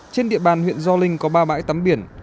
trên địa bàn huyện gio linh có ba bãi tắm biển